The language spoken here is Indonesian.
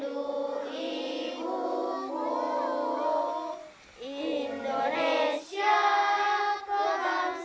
wa'alaikumsalam warahmatullahi wabarakatuh